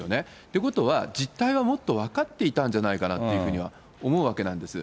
ということは、実態はもっと分かっていたんじゃないかなっていうふうには思うわけなんです。